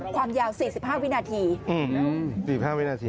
ความยาวสี่สิบห้าวินาทีอื้อฮือสี่สิบห้าวินาที